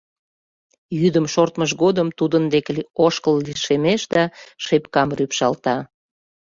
Йӱдым шортмыж годым тудын деке ошкыл лишемеш да шепкам рӱпшалта.